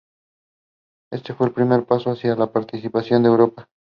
Este fue el primer paso hacia su participación en Europa.